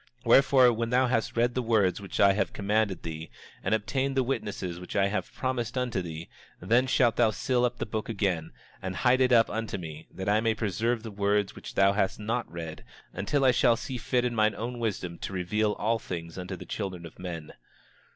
27:22 Wherefore, when thou hast read the words which I have commanded thee, and obtained the witnesses which I have promised unto thee, then shalt thou seal up the book again, and hide it up unto me, that I may preserve the words which thou hast not read, until I shall see fit in mine own wisdom to reveal all things unto the children of men.